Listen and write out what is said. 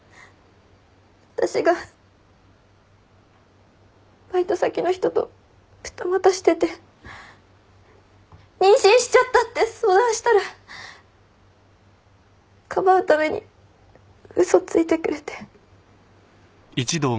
私がバイト先の人と二股してて妊娠しちゃったって相談したらかばうために嘘ついてくれて。